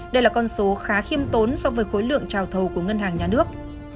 đây là con số khá khiêm tốn so với khối lượng trào thầu của ngân hàng nhà nước